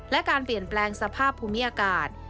และการเปลี่ยนแปลงสภาพภูมิอากาศ